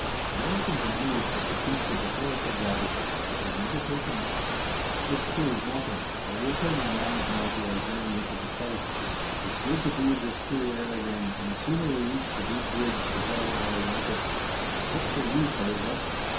"Americans and English have besieged it before," said Robert, "but they've never taken it." "Which proves nothing, but we'll turn our minds now to our journey into the south. It's good to breathe this clean air again, and the sooner we reach the deep woods the better I'll like it. What say you, Tayoga?"